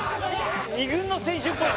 ２軍の選手っぽい。